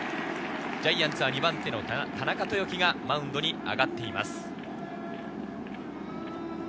ジャイアンツは２番手の田中豊樹がマウンドに上がっています。